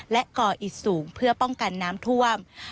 และก่ออิดสูงเพื่อป้องกันน้ำท่วม